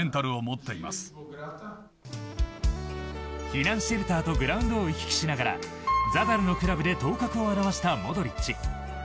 避難シェルターとグラウンドを行き来しながらザダルのクラブで頭角を現したモドリッチ。